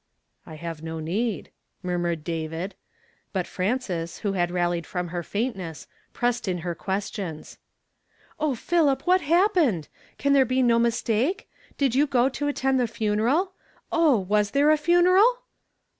'.'I have no need," nuirmured David. Butt •Frances, who had rallied from her faintnesg, pressed in her questions. "O Philip! what happened? Can there be no mistake ? Did you go to attend the funeral? Oh! was there a funeral